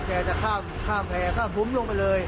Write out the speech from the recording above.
พอเขาจะข้ามแผลก็บุ้มลงไปเลย